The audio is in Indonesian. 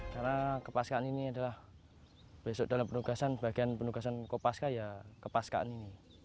karena kopaskaan ini adalah besok dalam penugasan bagian penugasan kopaska ya kopaskaan ini